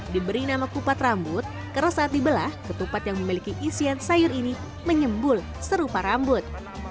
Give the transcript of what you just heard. diberi nama kupat rambut karena saat dibelah ketupat yang memiliki isian sayur ini menyembul serupa rambut